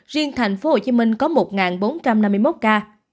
riêng tp hcm có một bốn trăm năm mươi một ca